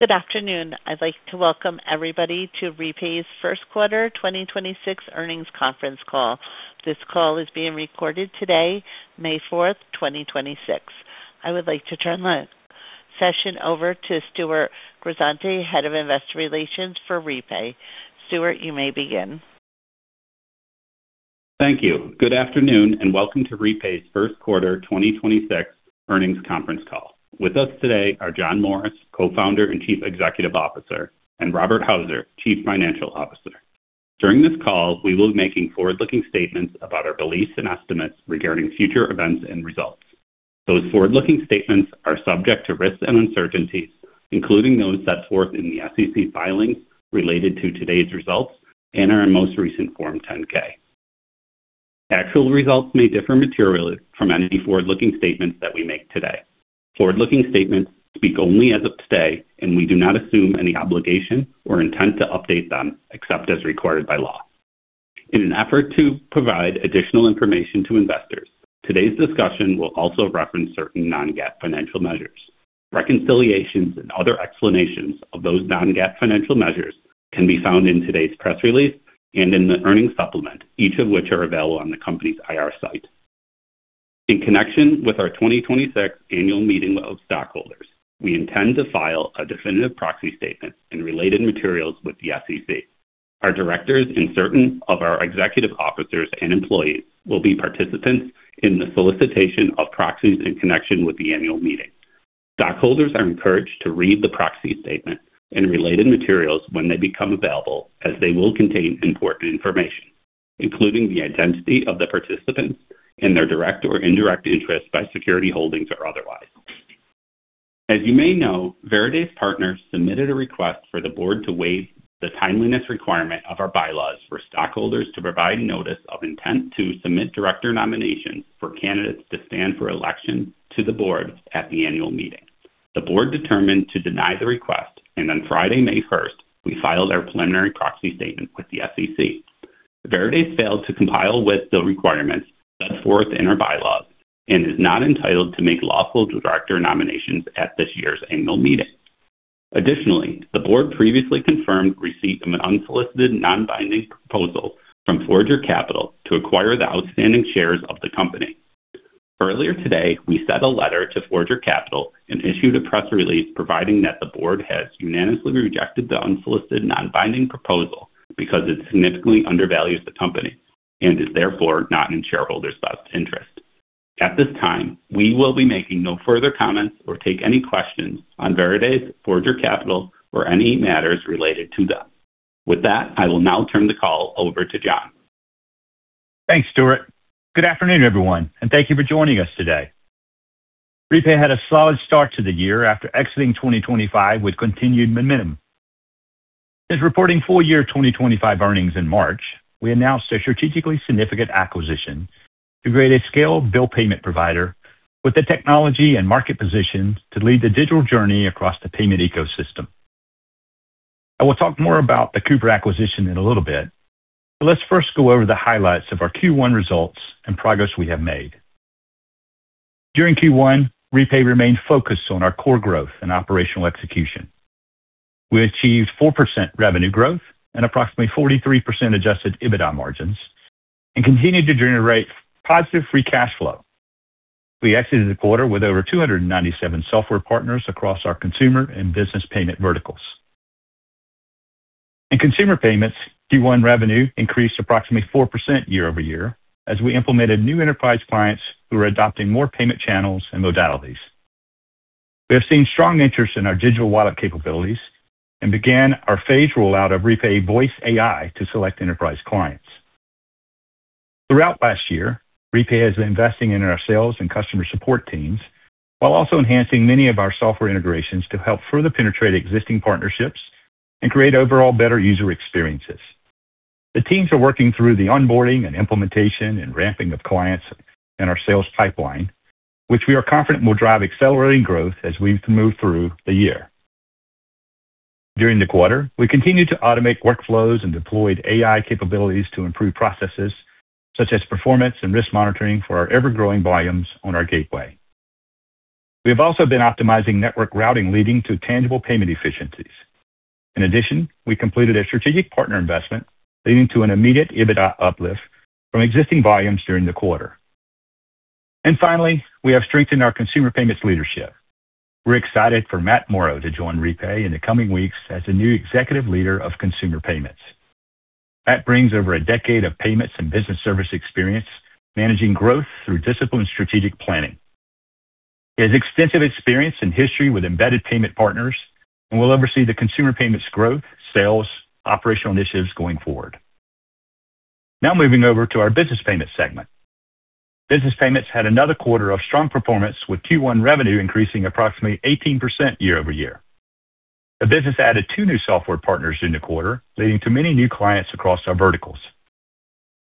Good afternoon. I'd like to welcome everybody to REPAY's 1st quarter 2026 earnings conference call. This call is being recorded today, May 4, 2026. I would like to turn the session over to Stewart Grisante, Head of Investor Relations for REPAY. Stewart, you may begin. Thank you. Good afternoon. Welcome to REPAY's first quarter 2026 earnings conference call. With us today are John Morris, Co-Founder and Chief Executive Officer, and Robert Houser, Chief Financial Officer. During this call, we will be making forward-looking statements about our beliefs and estimates regarding future events and results. Those forward-looking statements are subject to risks and uncertainties, including those set forth in the SEC filings related to today's results and our most recent Form 10-K. Actual results may differ materially from any forward-looking statements that we make today. Forward-looking statements speak only as of today. We do not assume any obligation or intent to update them except as required by law. In an effort to provide additional information to investors, today's discussion will also reference certain non-GAAP financial measures. Reconciliations and other explanations of those non-GAAP financial measures can be found in today's press release and in the earnings supplement, each of which are available on the company's IR site. In connection with our 2026 annual meeting of stockholders, we intend to file a definitive proxy statement and related materials with the SEC. Our directors and certain of our executive officers and employees will be participants in the solicitation of proxies in connection with the annual meeting. Stockholders are encouraged to read the proxy statement and related materials when they become available, as they will contain important information, including the identity of the participants and their direct or indirect interest by security holdings or otherwise. As you may know, Veradace Partners submitted a request for the board to waive the timeliness requirement of our bylaws for stockholders to provide notice of intent to submit director nominations for candidates to stand for election to the board at the annual meeting. The board determined to deny the request, and on Friday, May first, we filed our preliminary proxy statement with the SEC. Veradace failed to comply with the requirements set forth in our bylaws and is not entitled to make lawful director nominations at this year's annual meeting. Additionally, the board previously confirmed receipt of an unsolicited, non-binding proposal from Forager Capital to acquire the outstanding shares of the company. Earlier today, we sent a letter to Forager Capital and issued a press release providing that the board has unanimously rejected the unsolicited, non-binding proposal because it significantly undervalues the company and is therefore not in shareholders' best interest. At this time, we will be making no further comments or take any questions on Veradace, Forager Capital, or any matters related to them. With that, I will now turn the call over to John. Thanks, Stewart. Good afternoon, everyone, thank you for joining us today. REPAY had a solid start to the year after exiting 2025 with continued momentum. Since reporting full year 2025 earnings in March, we announced a strategically significant acquisition to create a scaled bill payment provider with the technology and market position to lead the digital journey across the payment ecosystem. I will talk more about the KUBRA acquisition in a little bit, let's first go over the highlights of our Q1 results and progress we have made. During Q1, Repay remained focused on our core growth and operational execution. We achieved 4% revenue growth and approximately 43% Adjusted EBITDA margins and continued to generate positive free cash flow. We exited the quarter with over 297 software partners across our consumer and business payment verticals. In consumer payments, Q1 revenue increased approximately 4% year-over-year as we implemented new enterprise clients who are adopting more payment channels and modalities. We have seen strong interest in our Digital Wallet capabilities and began our phased rollout of Repay Voice AI to select enterprise clients. Throughout last year, Repay has been investing in our sales and customer support teams while also enhancing many of our software integrations to help further penetrate existing partnerships and create overall better user experiences. The teams are working through the onboarding and implementation and ramping of clients in our sales pipeline, which we are confident will drive accelerating growth as we move through the year. During the quarter, we continued to automate workflows and deployed AI capabilities to improve processes such as performance and risk monitoring for our ever-growing volumes on our gateway. We have also been optimizing network routing, leading to tangible payment efficiencies. In addition, we completed a strategic partner investment leading to an immediate EBITDA uplift from existing volumes during the quarter. Finally, we have strengthened our Consumer Payments leadership. We're excited for Matt Morrow to join REPAY in the coming weeks as the new Executive Leader of Consumer Payments. Matt brings over a decade of payments and business service experience managing growth through disciplined strategic planning. He has extensive experience and history with embedded payment partners and will oversee the Consumer Payments growth, sales, operational initiatives going forward. Moving over to our Business Payments segment. Business Payments had another quarter of strong performance with Q1 revenue increasing approximately 18% year-over-year. The business added two new software partners in the quarter, leading to many new clients across our verticals.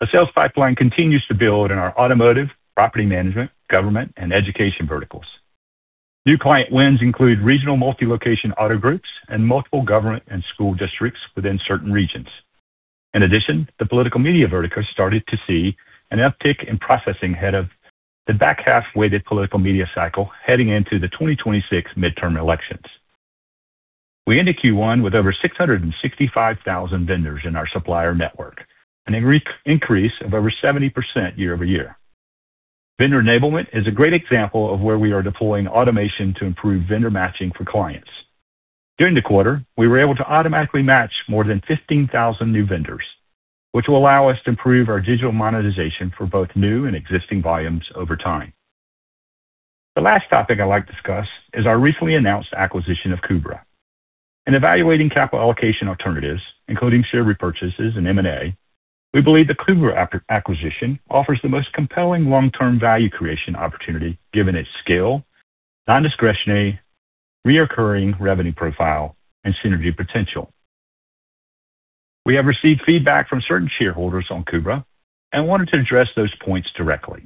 The sales pipeline continues to build in our automotive, property management, government, and education verticals. New client wins include regional multi-location auto groups and multiple government and school districts within certain regions. The political media vertical started to see an uptick in processing ahead of the back half weighted political media cycle heading into the 2026 midterm elections. We ended Q1 with over 665,000 vendors in our supplier network, an increase of over 70% year-over-year. Vendor enablement is a great example of where we are deploying automation to improve vendor matching for clients. During the quarter, we were able to automatically match more than 15,000 new vendors, which will allow us to improve our digital monetization for both new and existing volumes over time. The last topic I'd like to discuss is our recently announced acquisition of KUBRA. In evaluating capital allocation alternatives, including share repurchases and M&A, we believe the KUBRA acquisition offers the most compelling long-term value creation opportunity given its scale, non-discretionary, reoccurring revenue profile, and synergy potential. We have received feedback from certain shareholders on KUBRA and wanted to address those points directly.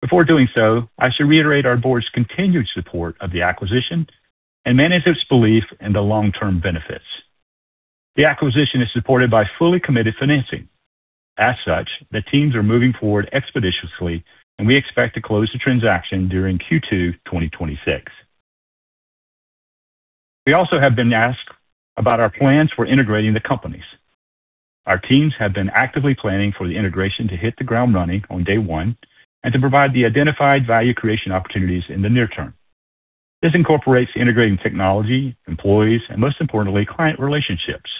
Before doing so, I should reiterate our board's continued support of the acquisition and management's belief in the long-term benefits. The acquisition is supported by fully committed financing. As such, the teams are moving forward expeditiously, and we expect to close the transaction during Q2 2026. We also have been asked about our plans for integrating the companies. Our teams have been actively planning for the integration to hit the ground running on day one and to provide the identified value creation opportunities in the near term. This incorporates integrating technology, employees, and most importantly, client relationships,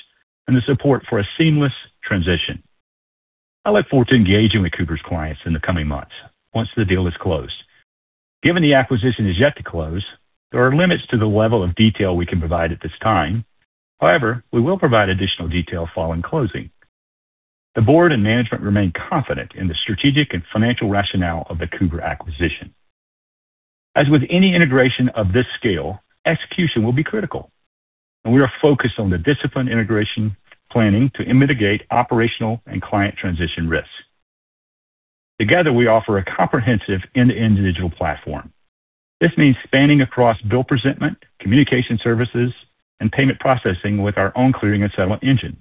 and the support for a seamless transition. I look forward to engaging with KUBRA's clients in the coming months once the deal is closed. Given the acquisition is yet to close, there are limits to the level of detail we can provide at this time. However, we will provide additional detail following closing. The board and management remain confident in the strategic and financial rationale of the KUBRA acquisition. As with any integration of this scale, execution will be critical, and we are focused on the disciplined integration planning to mitigate operational and client transition risks. Together, we offer a comprehensive end-to-end digital platform. This means spanning across bill presentment, communication services, and payment processing with our own clearing and settlement engine.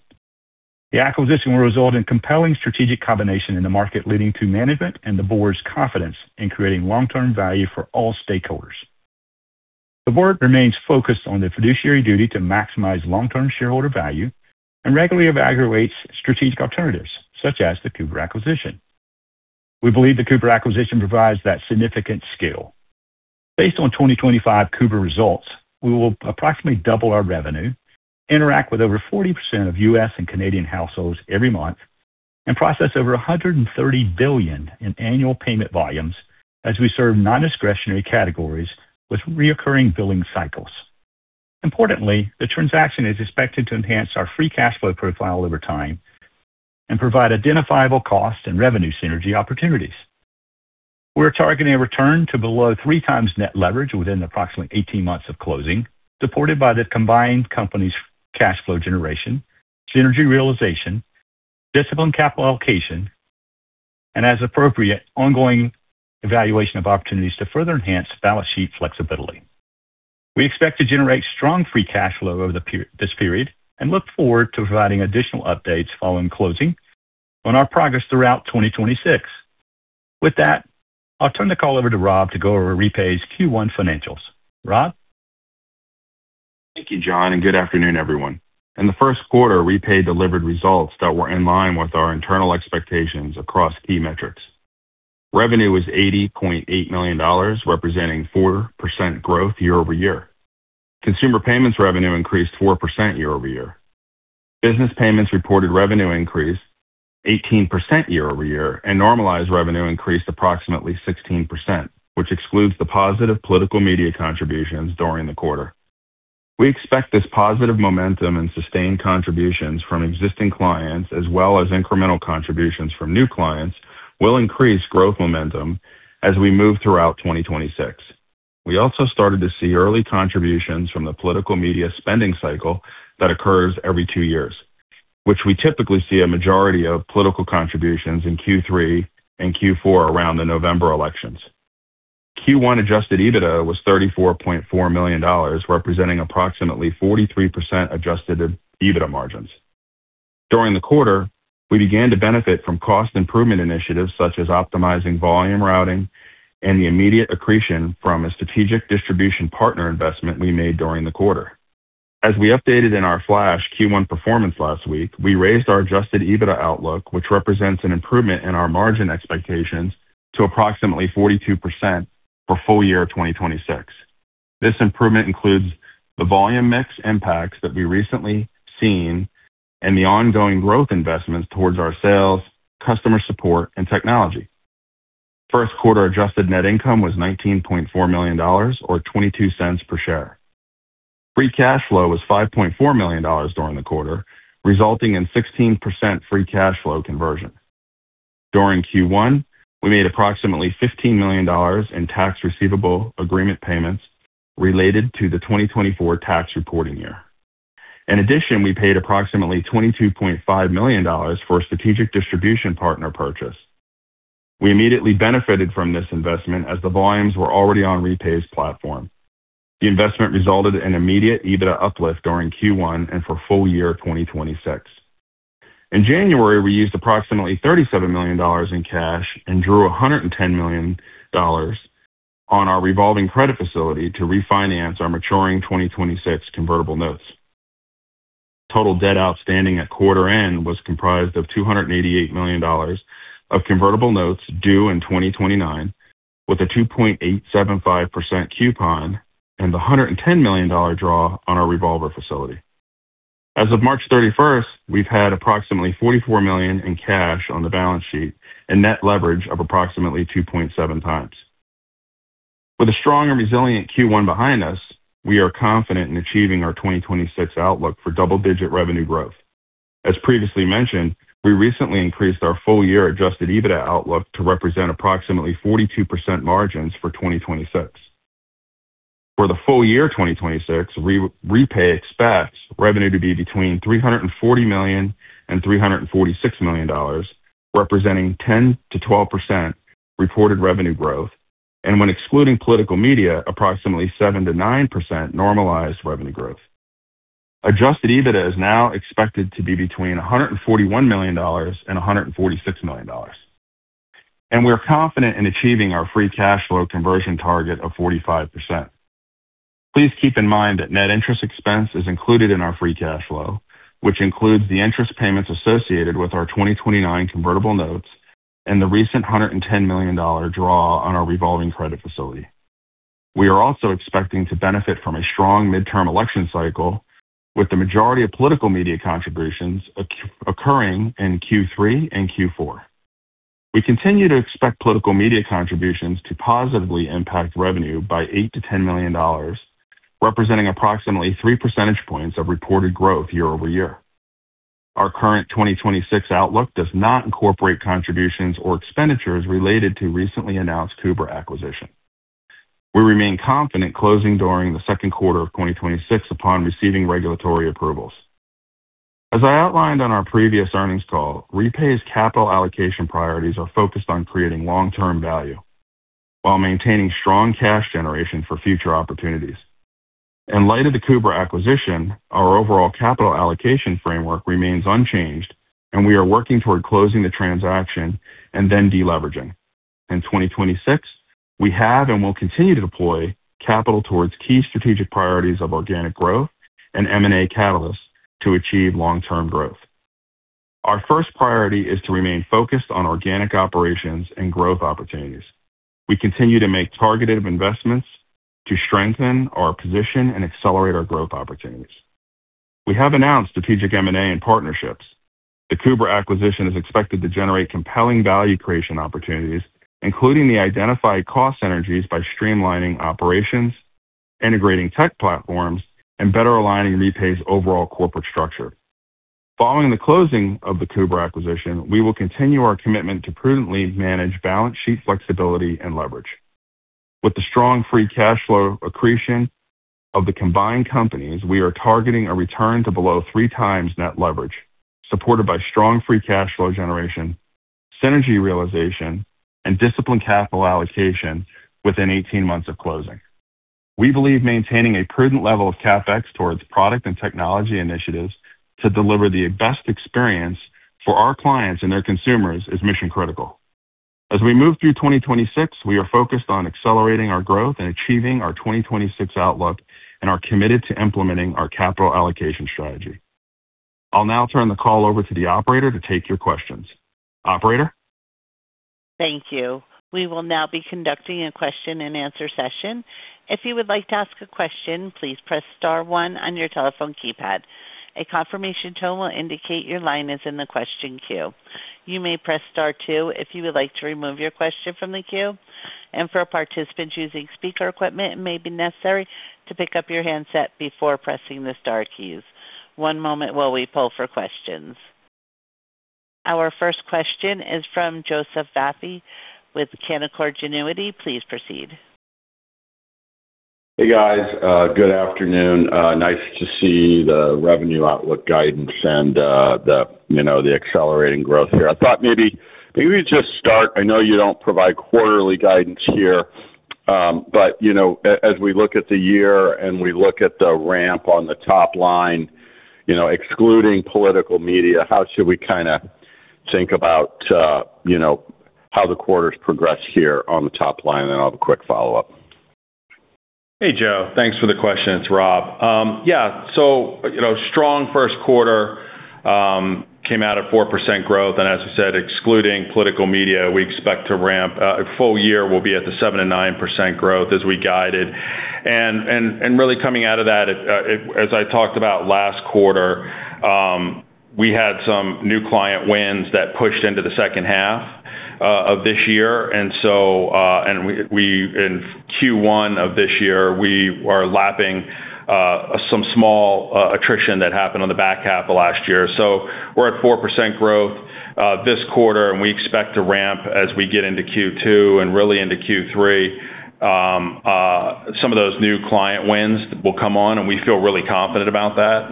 The acquisition will result in compelling strategic combination in the market leading to management and the board's confidence in creating long-term value for all stakeholders. The board remains focused on the fiduciary duty to maximize long-term shareholder value and regularly evaluates strategic alternatives, such as the KUBRA acquisition. We believe the KUBRA acquisition provides that significant scale. Based on 2025 KUBRA results, we will approximately double our revenue, interact with over 40% of U.S. and Canadian households every month, and process over $130 billion in annual payment volumes as we serve non-discretionary categories with reoccurring billing cycles. Importantly, the transaction is expected to enhance our free cash flow profile over time and provide identifiable cost and revenue synergy opportunities. We're targeting a return to below 3x net leverage within approximately 18 months of closing, supported by the combined company's cash flow generation, synergy realization, disciplined capital allocation, and, as appropriate, ongoing evaluation of opportunities to further enhance balance sheet flexibility. We expect to generate strong free cash flow over this period and look forward to providing additional updates following closing on our progress throughout 2026. With that, I'll turn the call over to Rob to go over Repay's Q1 financials. Rob? Thank you, John, and good afternoon, everyone. In the first quarter, Repay delivered results that were in line with our internal expectations across key metrics. Revenue was $80.8 million, representing 4% growth year-over-year. Consumer payments revenue increased 4% year-over-year. Business payments reported revenue increase 18% year-over-year, and normalized revenue increased approximately 16%, which excludes the positive political media contributions during the quarter. We expect this positive momentum and sustained contributions from existing clients as well as incremental contributions from new clients will increase growth momentum as we move throughout 2026. We also started to see early contributions from the political media spending cycle that occurs every two years, which we typically see a majority of political contributions in Q3 and Q4 around the November elections. Q1 Adjusted EBITDA was $34.4 million, representing approximately 43% Adjusted EBITDA margins. During the quarter, we began to benefit from cost improvement initiatives such as optimizing volume routing and the immediate accretion from a strategic distribution partner investment we made during the quarter. As we updated in our flash Q1 performance last week, we raised our Adjusted EBITDA outlook, which represents an improvement in our margin expectations to approximately 42% for full year 2026. This improvement includes the volume mix impacts that we recently seen and the ongoing growth investments towards our sales, customer support, and technology. First quarter Adjusted Net Income was $19.4 million or $0.22 per share. free cash flow was $5.4 million during the quarter, resulting in 16% free cash flow conversion. During Q1, we made approximately $15 million in Tax Receivable Agreement payments related to the 2024 tax reporting year. In addition, we paid approximately $22.5 million for a strategic distribution partner purchase. We immediately benefited from this investment as the volumes were already on REPAY's platform. The investment resulted in immediate EBITDA uplift during Q1 and for full year 2026. In January, we used approximately $37 million in cash and drew $110 million on our revolving credit facility to refinance our maturing 2026 Convertible Notes. Total debt outstanding at quarter end was comprised of $288 million of Convertible Notes due in 2029 with a 2.875% coupon and a $110 million draw on our revolver facility. As of March 31, we've had approximately $44 million in cash on the balance sheet and net leverage of approximately 2.7x. With a strong and resilient Q1 behind us, we are confident in achieving our 2026 outlook for double-digit revenue growth. As previously mentioned, we recently increased our full-year Adjusted EBITDA outlook to represent approximately 42% margins for 2026. For the full year 2026, Repay expects revenue to be between $340 million and $346 million, representing 10%-12% reported revenue growth, and when excluding political media, approximately 7%-9% normalized revenue growth. Adjusted EBITDA is now expected to be between $141 million and $146 million, and we are confident in achieving our free cash flow conversion target of 45%. Please keep in mind that net interest expense is included in our free cash flow, which includes the interest payments associated with our 2029 Convertible Notes and the recent $110 million draw on our revolving credit facility. We are also expecting to benefit from a strong midterm election cycle, with the majority of political media contributions occurring in Q3 and Q4. We continue to expect political media contributions to positively impact revenue by $8 million-$10 million, representing approximately 3 percentage points of reported growth year-over-year. Our current 2026 outlook does not incorporate contributions or expenditures related to recently announced KUBRA acquisition. We remain confident closing during the second quarter of 2026 upon receiving regulatory approvals. As I outlined on our previous earnings call, REPAY's capital allocation priorities are focused on creating long-term value while maintaining strong cash generation for future opportunities. In light of the KUBRA acquisition, our overall capital allocation framework remains unchanged, and we are working toward closing the transaction and then de-leveraging. In 2026, we have and will continue to deploy capital towards key strategic priorities of organic growth and M&A catalysts to achieve long-term growth. Our first priority is to remain focused on organic operations and growth opportunities. We continue to make targeted investments to strengthen our position and accelerate our growth opportunities. We have announced strategic M&A and partnerships. The KUBRA acquisition is expected to generate compelling value creation opportunities, including the identified cost synergies by streamlining operations, integrating tech platforms, and better aligning Repay's overall corporate structure. Following the closing of the KUBRA acquisition, we will continue our commitment to prudently manage balance sheet flexibility and leverage. With the strong free cash flow accretion of the combined companies, we are targeting a return to below 3x net leverage, supported by strong free cash flow generation, synergy realization, and disciplined capital allocation within 18 months of closing. We believe maintaining a prudent level of CapEx towards product and technology initiatives to deliver the best experience for our clients and their consumers is mission-critical. As we move through 2026, we are focused on accelerating our growth and achieving our 2026 outlook and are committed to implementing our capital allocation strategy. I'll now turn the call over to the operator to take your questions. Operator? Thank you. We will now be conducting a question-and-answer session. If you would like to ask a question, please press star one on your telephone keypad. A confirmation tone will indicate your line is in the question queue. You may press star two if you would like to remove your question from the queue. For participants using speaker equipment, it may be necessary to pick up your handset before pressing the star keys. One moment while we poll for questions. Our first question is from Joseph Vafi with Canaccord Genuity. Please proceed. Hey, guys. Good afternoon. Nice to see the revenue outlook guidance and the accelerating growth here. I thought maybe just start, I know you don't provide quarterly guidance here, but as we look at the year and we look at the ramp on the top line, excluding political media, how should we kind of think about how the quarters progress here on the top line? I'll have a quick follow-up. Hey, Joe. Thanks for the question. It's Rob. You know, strong first quarter, came out at 4% growth. As I said, excluding political media, we expect to ramp, full year will be at the 7%-9% growth as we guided. Really coming out of that, as I talked about last quarter, we had some new client wins that pushed into the second half of this year. We in Q1 of this year, we are lapping some small attrition that happened on the back half of last year. We're at 4% growth this quarter, and we expect to ramp as we get into Q2 and really into Q3. Some of those new client wins will come on, and we feel really confident about that.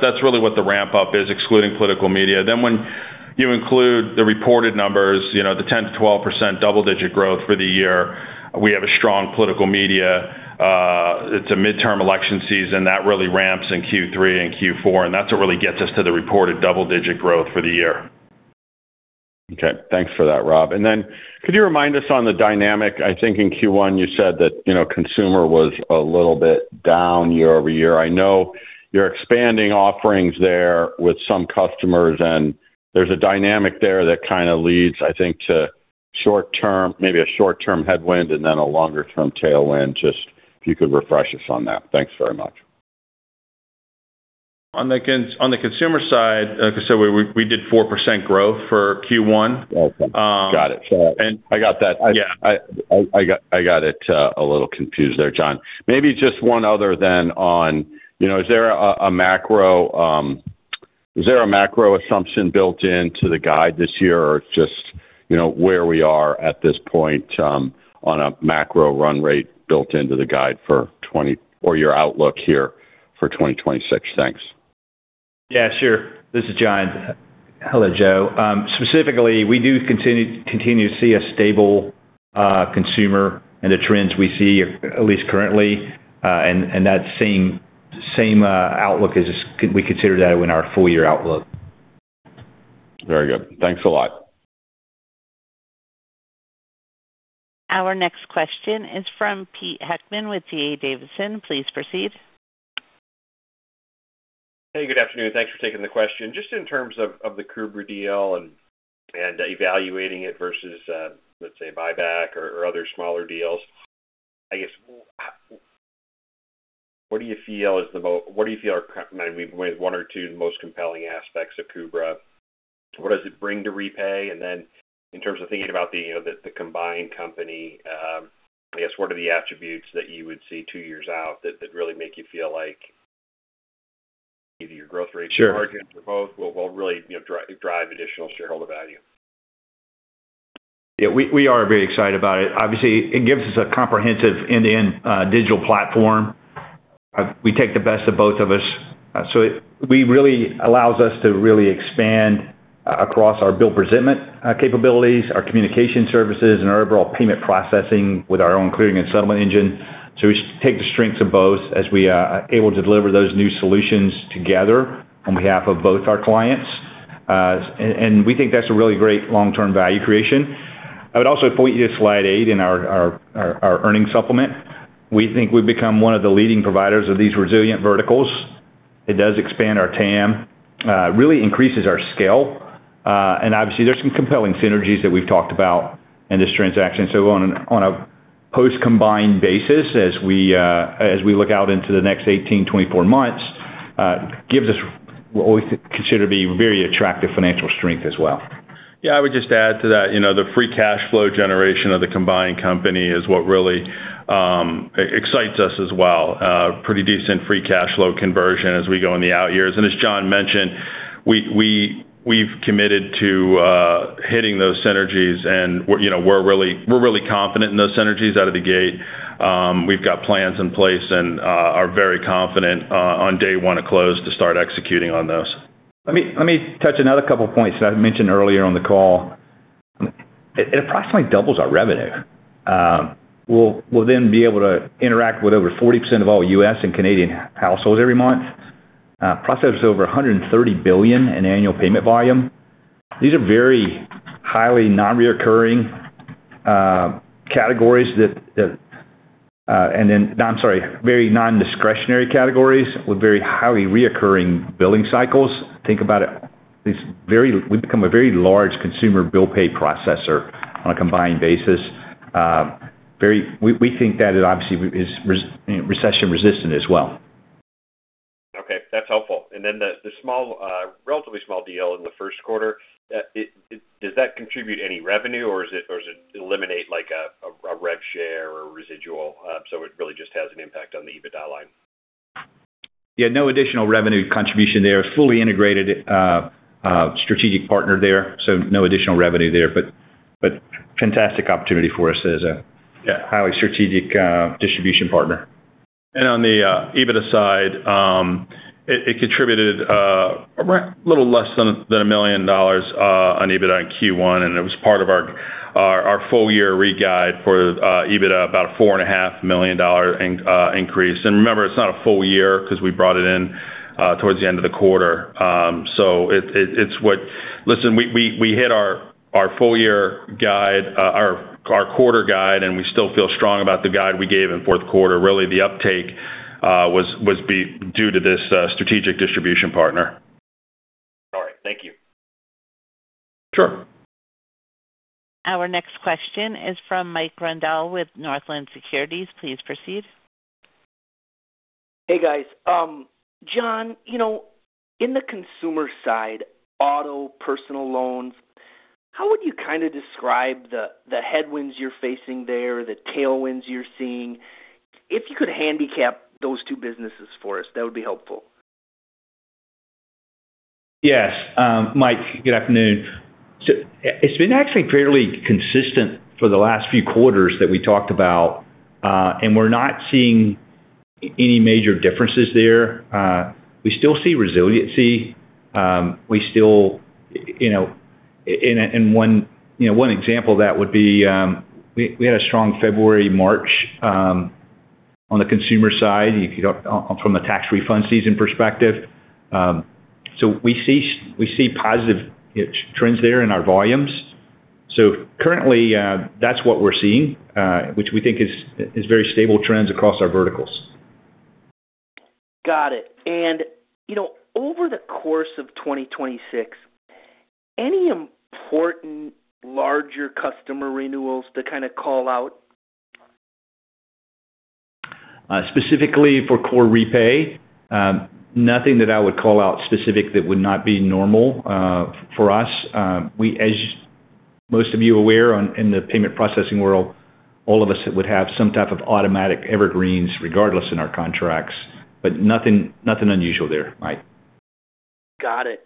That's really what the ramp-up is, excluding political media. When you include the reported numbers, you know, the 10%-12% double-digit growth for the year, we have a strong political media. It's a midterm election season that really ramps in Q3 and Q4, and that's what really gets us to the reported double-digit growth for the year. Okay. Thanks for that, Rob. Could you remind us on the dynamic, I think in Q1 you said that, you know, consumer was a little bit down year-over-year. I know you're expanding offerings there with some customers, and there's a dynamic there that kind of leads, I think, to maybe a short-term headwind and then a longer-term tailwind. Just if you could refresh us on that. Thanks very much. On the consumer side, like I said, we did 4% growth for Q1. Okay. Got it. And- I got that. Yeah. I got it a little confused there, John. Maybe just one other on, you know, is there a macro assumption built into the guide this year or just, you know, where we are at this point on a macro run rate built into the guide for 2026? Thanks. Yeah, sure. This is John. Hello, Joseph Vafi. Specifically, we do continue to see a stable consumer and the trends we see, at least currently, and that same outlook, we consider that in our full-year outlook. Very good. Thanks a lot. Our next question is from Peter Heckmann with D.A. Davidson. Please proceed. Hey, good afternoon. Thanks for taking the question. Just in terms of the KUBRA deal and evaluating it versus, let's say, buyback or other smaller deals. I guess, what do you feel are maybe one or two of the most compelling aspects of KUBRA? What does it bring to REPAY? Then in terms of thinking about the, you know, the combined company, I guess, what are the attributes that you would see two years out that really make you feel like either your growth rate- Sure... margins or both will really, you know, drive additional shareholder value? Yeah. We are very excited about it. Obviously, it gives us a comprehensive end-to-end digital platform. We take the best of both of us. We really allows us to really expand across our bill presentment capabilities, our communication services, and our overall payment processing with our own clearing and settlement engine. We take the strengths of both as we are able to deliver those new solutions together on behalf of both our clients. And we think that's a really great long-term value creation. I would also point you to slide 8 in our earnings supplement. We think we've become one of the leading providers of these resilient verticals. It does expand our TAM, really increases our scale. Obviously, there's some compelling synergies that we've talked about in this transaction. On a post-combined basis, as we look out into the next 18, 24 months, gives us what we consider to be very attractive financial strength as well. Yeah. I would just add to that. You know, the free cash flow generation of the combined company is what really excites us as well. Pretty decent free cash flow conversion as we go in the out years. As John mentioned, we've committed to hitting those synergies and we're, you know, we're really confident in those synergies out of the gate. We've got plans in place and are very confident on day one of close to start executing on those. Let me touch another couple points that I mentioned earlier on the call. It approximately doubles our revenue. We'll then be able to interact with over 40% of all U.S. and Canadian households every month. Processes over $130 billion in annual payment volume. These are very highly non-recurring categories. I'm sorry, very non-discretionary categories with very highly recurring billing cycles. Think about it. We've become a very large consumer bill pay processor on a combined basis. We think that it obviously you know, recession-resistant as well. Okay. That's helpful. Then the small, relatively small deal in the first quarter, does that contribute any revenue or is it, or does it eliminate like a rev share or residual, so it really just has an impact on the EBITDA line? Yeah. No additional revenue contribution there. Fully integrated strategic partner there, so no additional revenue there, but fantastic opportunity for us as a, yeah, highly strategic distribution partner. On the EBITDA side, it contributed little less than $1 million on EBITDA in Q1, and it was part of our full-year re-guide for EBITDA, about a $4.5 million increase. Remember, it's not a full year because we brought it in towards the end of the quarter. Listen, we hit our full-year guide, our quarter guide, we still feel strong about the guide we gave in fourth quarter. Really, the uptake was due to this strategic distribution partner. All right. Thank you. Sure. Our next question is from Mike Grondahl with Northland Securities. Please proceed. Hey, guys. John, you know, in the consumer side, auto, personal loans, how would you kind of describe the headwinds you're facing there, the tailwinds you're seeing? If you could handicap those two businesses for us, that would be helpful. Yes. Mike, good afternoon. It's been actually fairly consistent for the last few quarters that we talked about, and we're not seeing any major differences there. We still see resiliency. We still, you know, one example of that would be, we had a strong February, March, on the consumer side from a tax refund season perspective. We see positive trends there in our volumes. Currently, that's what we're seeing, which we think is very stable trends across our verticals. Got it. You know, over the course of 2026, any important larger customer renewals to kind of call out? Specifically for core REPAY, nothing that I would call out specific that would not be normal for us. We as most of you aware in the payment processing world, all of us would have some type of automatic evergreens regardless in our contracts, but nothing unusual there, Mike. Got it.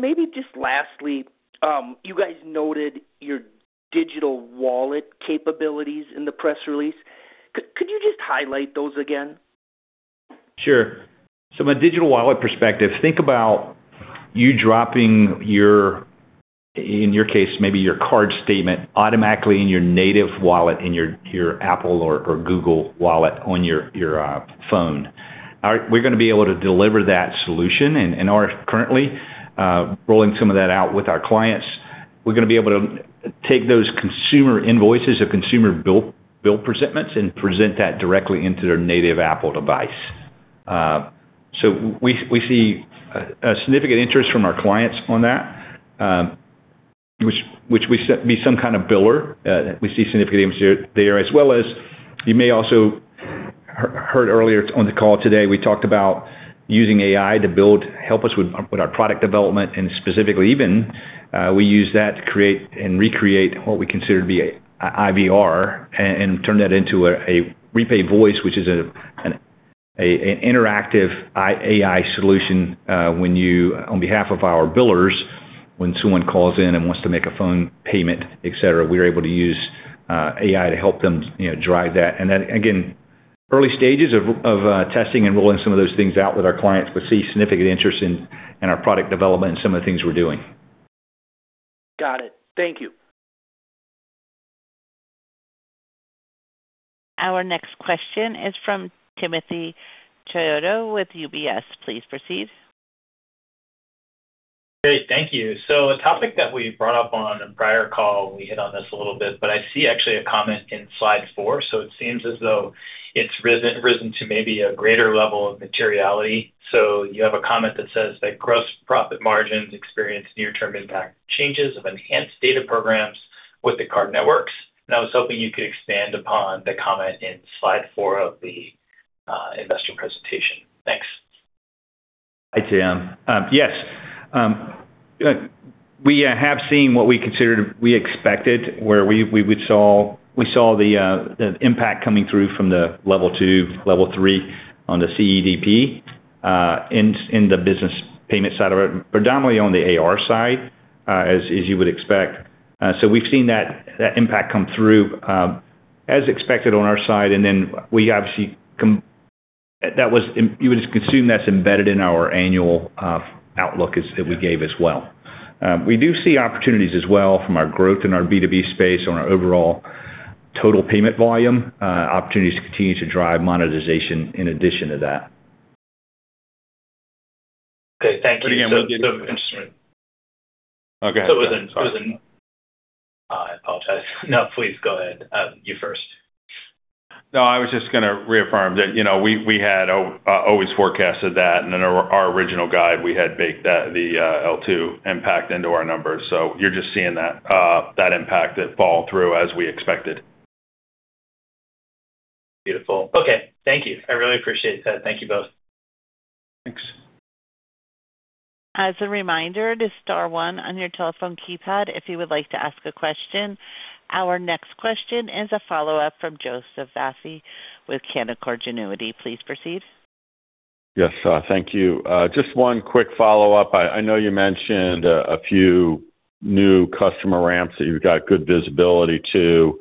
maybe just lastly, you guys noted your Digital Wallet capabilities in the press release. Could you just highlight those again? Sure. My Digital Wallet perspective, think about you dropping your, in your case, maybe your card statement automatically in your native wallet, in your Apple or Google wallet on your phone. We're gonna be able to deliver that solution and are currently rolling some of that out with our clients. We're gonna be able to take those consumer invoices or consumer bill presentments and present that directly into their native Apple device. We see a significant interest from our clients on that, we set be some kind of biller. We see significant interest there as well as you may also heard earlier on the call today, we talked about using AI to help us with our product development, and specifically even, we use that to create and recreate what we consider to be an IVR and turn that into a Repay Voice, which is an interactive AI solution, when you on behalf of our billers, when someone calls in and wants to make a phone payment, et cetera, we're able to use AI to help them, you know, drive that. Then again, early stages of testing and rolling some of those things out with our clients. We see significant interest in our product development and some of the things we're doing. Got it. Thank you. Our next question is from Timothy Chiodo with UBS. Please proceed. Great. Thank you. A topic that we brought up on a prior call, we hit on this a little bit, but I see actually a comment in slide 4, it seems as though it's risen to maybe a greater level of materiality. You have a comment that says that gross profit margins experience near term impact changes of Enhanced Data Programs with the card networks. I was hoping you could expand upon the comment in slide 4 of the investor presentation. Thanks. Hi, Tim. Yes. We have seen what we considered we expected where we saw the impact coming through from the Level 2, Level 3 on the CEDP in the business payment side of it, predominantly on the AR side, as you would expect. We've seen that impact come through, as expected on our side. We obviously consume that's embedded in our annual outlook that we gave as well. We do see opportunities as well from our growth in our B2B space on our overall total payment volume, opportunities to continue to drive monetization in addition to that. Okay. Thank you. Okay. It wasn't. I apologize. No, please go ahead. You first. No, I was just gonna reaffirm that, you know, we had always forecasted that and then our original guide, we had baked that, the L2 impact into our numbers. You're just seeing that impact it fall through as we expected. Beautiful. Okay. Thank you. I really appreciate that. Thank you both. Thanks. As a reminder to star one on your telephone keypad if you would like to ask a question. Our next question is a follow-up from Joseph Vafi with Canaccord Genuity. Please proceed. Yes, thank you. Just one quick follow-up. I know you mentioned a few new customer ramps that you've got good visibility to.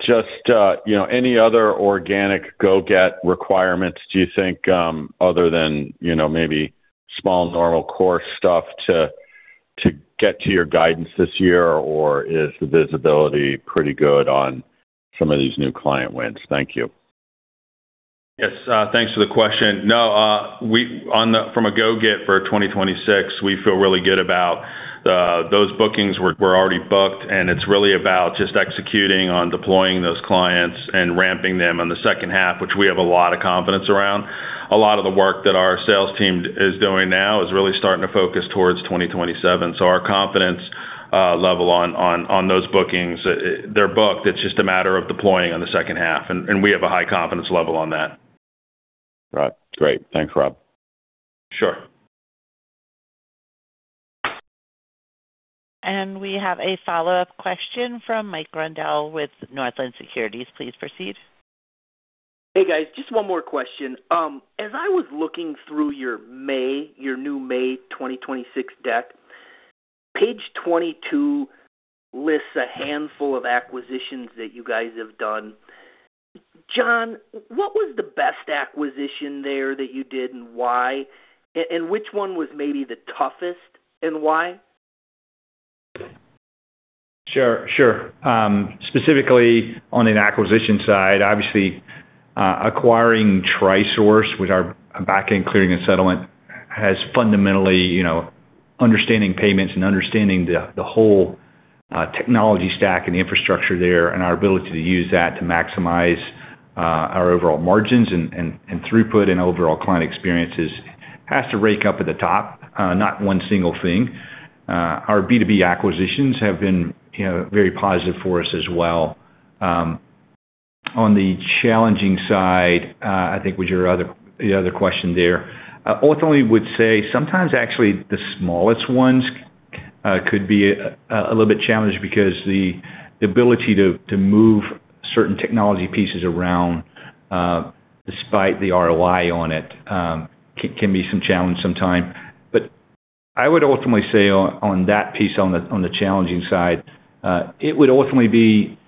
Just, you know, any other organic go get requirements, do you think, other than, you know, maybe small normal core stuff to get to your guidance this year? Or is the visibility pretty good on some of these new client wins? Thank you. Yes. Thanks for the question. No. From a go get for 2026, we feel really good about those bookings were already booked, and it's really about just executing on deploying those clients and ramping them on the second half, which we have a lot of confidence around. A lot of the work that our sales team is doing now is really starting to focus towards 2027. Our confidence level on those bookings, they're booked. It's just a matter of deploying on the second half. We have a high confidence level on that. Got it. Great. Thanks, Rob. Sure. We have a follow-up question from Mike Grondahl with Northland Securities. Please proceed. Hey, guys. Just one more question. As I was looking through your May, your new May 2026 deck, page 22 lists a handful of acquisitions that you guys have done. John, what was the best acquisition there that you did and why? Which one was maybe the toughest and why? Sure, sure. Specifically on an acquisition side, obviously, acquiring TriSource with our backend clearing and settlement has fundamentally, you know, understanding payments and understanding the whole technology stack and the infrastructure there, and our ability to use that to maximize our overall margins and throughput and overall client experiences has to rank up at the top. Not 1 single thing. Our B2B acquisitions have been, you know, very positive for us as well. On the challenging side, I think was your other question there. Ultimately would say sometimes actually the smallest ones could be a little bit challenging because the ability to move certain technology pieces around, despite the ROI on it, can be some challenge sometimes. I would ultimately say on that piece, on the challenging side, it would ultimately be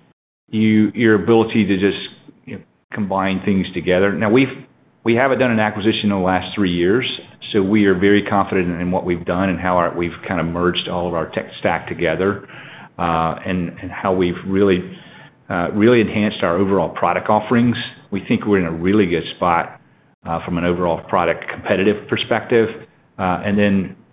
your ability to just, you know, combine things together. We haven't done an acquisition in the last three years, so we are very confident in what we've done and how we've kind of merged all of our tech stack together and how we've really enhanced our overall product offerings. We think we're in a really good spot from an overall product competitive perspective.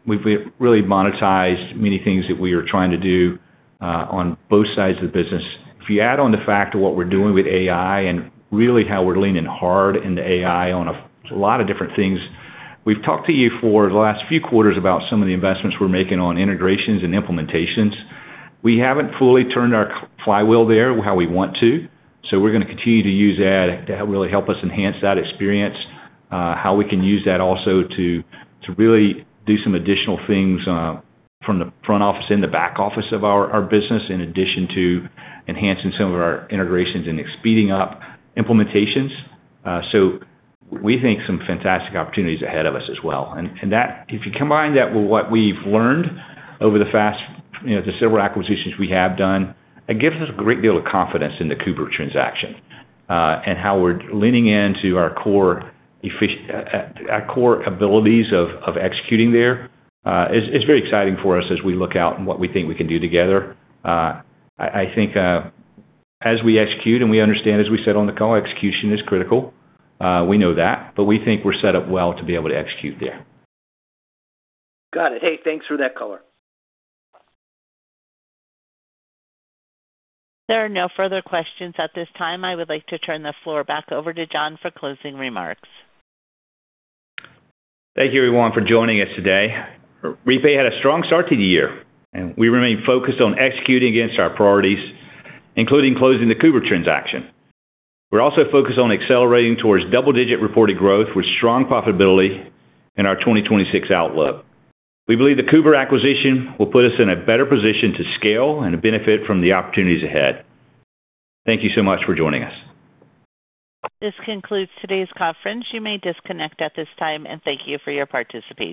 We've really monetized many things that we are trying to do on both sides of the business. You add on the fact of what we're doing with AI and really how we're leaning hard into AI on a lot of different things. We've talked to you for the last few quarters about some of the investments we're making on integrations and implementations. We haven't fully turned our flywheel there how we want to, so we're gonna continue to use that to really help us enhance that experience, how we can use that also to really do some additional things from the front office and the back office of our business, in addition to enhancing some of our integrations and speeding up implementations. We think some fantastic opportunities ahead of us as well. If you combine that with what we've learned over the fast, you know, the several acquisitions we have done, it gives us a great deal of confidence in the KUBRA transaction, and how we're leaning into our core abilities of executing there. It's very exciting for us as we look out and what we think we can do together. I think, as we execute and we understand, as we said on the call, execution is critical. We know that, but we think we're set up well to be able to execute there. Got it. Hey, thanks for that color. There are no further questions at this time. I would like to turn the floor back over to John for closing remarks. Thank you everyone for joining us today. Repay had a strong start to the year, and we remain focused on executing against our priorities, including closing the KUBRA transaction. We're also focused on accelerating towards double-digit reported growth with strong profitability in our 2026 outlook. We believe the KUBRA acquisition will put us in a better position to scale and benefit from the opportunities ahead. Thank you so much for joining us. This concludes today's conference. You may disconnect at this time, and thank you for your participation.